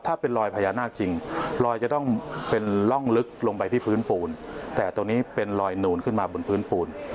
ถ้าเป็นรอยพญานาคจริงลอยจะต้องเป็นร่องลึกลงไปที่พื้นปูนแต่ตรงนี้เป็นลอยนูนขึ้นมาบนพื้นปูน